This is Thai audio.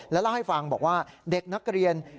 แล้วเล่าให้ฟังบอกว่าเด็กนักเรียน